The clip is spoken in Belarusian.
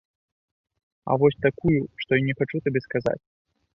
А вось такую, што і не хачу табе сказаць!